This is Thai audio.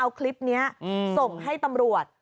เอาคลิปนี้ส่งให้ตำรวจ